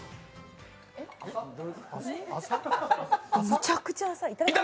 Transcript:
めちゃくちゃ浅い。